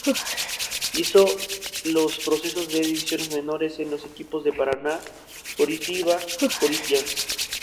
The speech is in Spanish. Hizo los procesos de divisiones menores en los equipos Paraná, Coritiba y Corinthians.